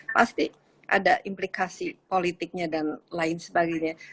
pasti ada implikasi politiknya dan lain sebagainya